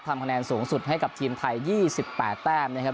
ทำคะแนนสูงสุดให้กับทีมไทย๒๘แต้มนะครับ